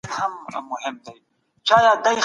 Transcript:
د جرګي په فضا کي به د عدالت او برابرۍ ږغ و.